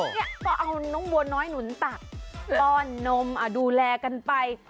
เนี่ยก็เอาน้องบัวน้อยหนุนตักป้อนนมดูแลกันไป